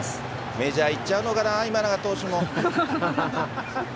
メジャー行っちゃうのかな、今永投手も。